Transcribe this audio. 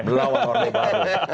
melawan orang baru